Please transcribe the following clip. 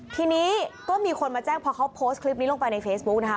ทีนี้ก็มีคนมาแจ้งพอเขาโพสต์คลิปนี้ลงไปในเฟซบุ๊กนะคะ